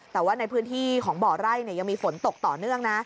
แต่ว่าในพื้นที่ของบ่อไร่ยังมีฝนตกต่อเนื่องนะ